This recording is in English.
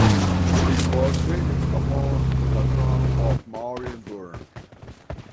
It was based upon the town of Marienberg.